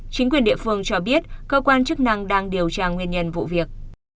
chính quyền địa phương cho biết cơ quan chức năng đang điều tra nguyên nhân vụ việc